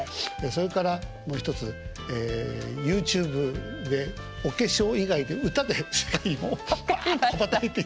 それからもう一つＹｏｕＴｕｂｅでお化粧以外で歌で世界を羽ばたいて。